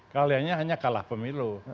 keahliannya hanya kalah pemilu